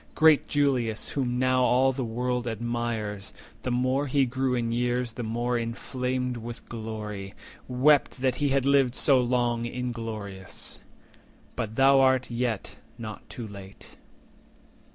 Great Julius, whom now all the world admires, The more he grew in years, the more inflamed 40 With glory, wept that he had lived so long Ingloroious. But thou yet art not too late."